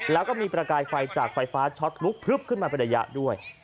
แล้วก็มีประกายไฟจากไฟฟ้าช็อตลุกพลึบขึ้นมาเป็นระยะด้วย